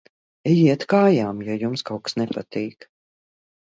Ejiet kājām, ja jums kaut kas nepatīk!